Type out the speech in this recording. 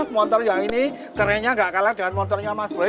motor yang ini kerennya nggak kalah dengan motornya mas boy